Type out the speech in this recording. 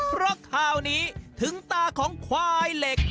เพราะข่าวนี้ถึงตาของควายเหล็ก